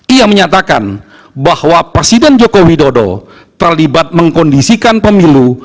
ia menyatakan bahwa presiden joko widodo terlibat mengkondisikan pemilu